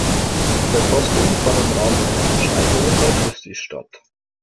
Die Verkostung fand im Rahmen einer Versteigerung bei Christie’s statt.